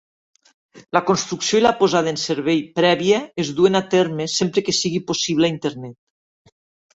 La construcció i la posada en servei prèvia es duen a terme sempre que sigui possible a Internet.